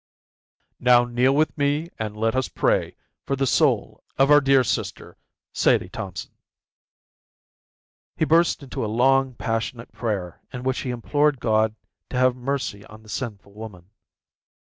"Now kneel with me and let us pray for the soul of our dear sister, Sadie Thompson." He burst into a long, passionate prayer in which he implored God to have mercy on the sinful woman.